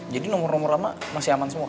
jadi nomor nomor lama masih aman semua